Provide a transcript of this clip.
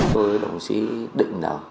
tôi và đồng sĩ định